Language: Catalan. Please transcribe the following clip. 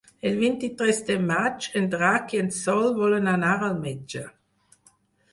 El vint-i-tres de maig en Drac i en Sol volen anar al metge.